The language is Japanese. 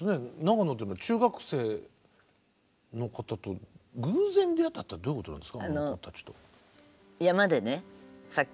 長野での中学生の方と偶然出会ったってどういうことなんですか？